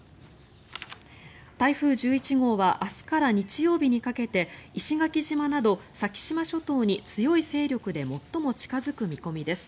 台風１１号は明日から日曜日にかけて石垣島など先島諸島に強い勢力で最も近付く見込みです。